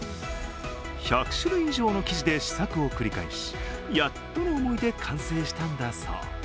１００種類以上の生地で試作を繰り返し、やっとの思いで完成したんだそう。